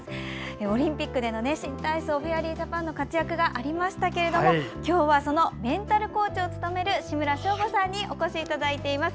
オリンピックでの新体操フェアリージャパンの活躍がありましたが、今日はそのメンタルコーチを務める志村祥瑚さんにお越しいただいています。